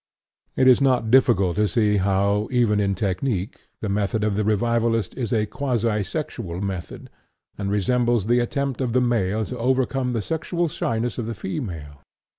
It is not difficult to see how, even in technique, the method of the revivalist is a quasi sexual method, and resembles the attempt of the male to overcome the sexual shyness of the female.